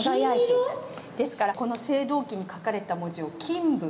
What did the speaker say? ですからこの青銅器に書かれた文字を「金文」